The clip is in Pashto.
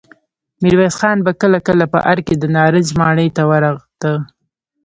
ميرويس خان به کله کله په ارګ کې د نارنج ماڼۍ ته ورته.